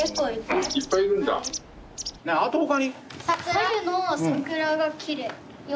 春の桜がきれい。